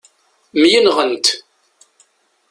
Myenɣent.